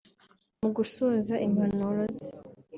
Mu gusoza impanuro ze